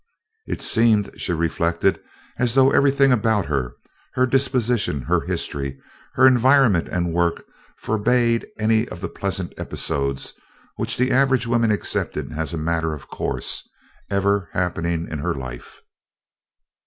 It seemed, she reflected, as though everything about her, her disposition, her history, her environment and work forbade any of the pleasant episodes, which the average woman accepted as a matter of course, ever happening in her life.